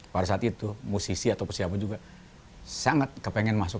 pada saat itu musisi atau siapa juga sangat kepengen masuk